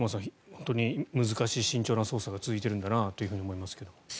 本当に難しい慎重な捜査が続いているんだなと思いますけど。